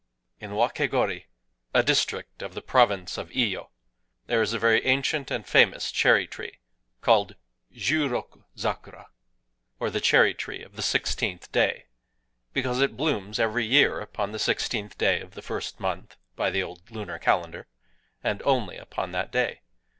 In Wakégōri, a district of the province of Iyo (1), there is a very ancient and famous cherry tree, called Jiu roku zakura, or "the Cherry tree of the Sixteenth Day," because it blooms every year upon the sixteenth day of the first month (by the old lunar calendar),—and only upon that day.